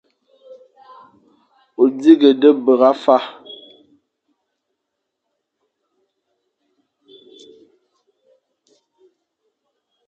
O dighé da bera fa.